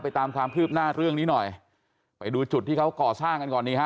ตามความคืบหน้าเรื่องนี้หน่อยไปดูจุดที่เขาก่อสร้างกันก่อนดีฮะ